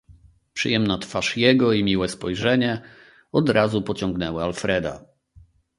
"Przyjemna twarz jego i miłe spojrzenie od razu pociągnęły Alfreda."